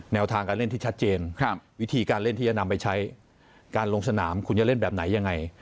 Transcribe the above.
แนวทางการเล่นที่ชัดเจนวิธีการเล่นที่จะนำไปใช้การลงสนามคุณจะเล่นแบบไหนยังไง